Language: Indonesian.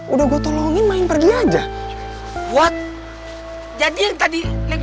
udah gue tolongin main pergi aja buat jadi tadi